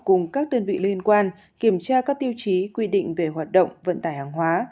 cùng các đơn vị liên quan kiểm tra các tiêu chí quy định về hoạt động vận tải hàng hóa